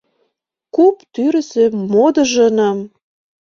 Куп тӱрысӧ модыжыным